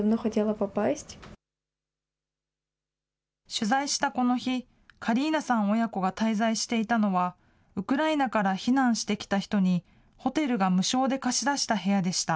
取材したこの日、カリーナさん親子が滞在していたのはウクライナから避難してきた人にホテルが無償で貸し出した部屋でした。